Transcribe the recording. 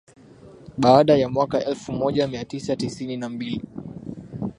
Baada ya mwaka elfu moja mia tisa tisini na mbili